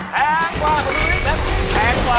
แพงกว่าแพงกว่า